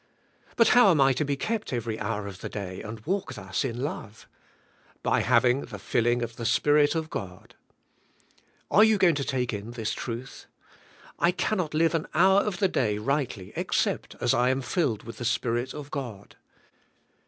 But how am I to be kept every hour of the day and walk thus 114 THE SPIRITUAI, I,IFK. in love? By having the filling of the Spirit of God. Are you going to take in this truth? I cannot live an hour of the day rightly except as I am filled with the Spirit of God.